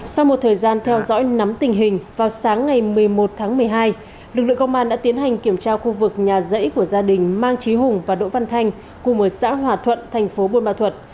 sau một thời gian theo dõi nắm tình hình vào sáng ngày một mươi một tháng một mươi hai lực lượng công an đã tiến hành kiểm tra khu vực nhà rẫy của gia đình mang trí hùng và đỗ văn thanh cùng ở xã hòa thuận thành phố buôn ma thuật